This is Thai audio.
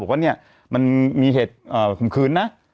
ว่าเนี่ยมันมีเหตุข่มขืนนะ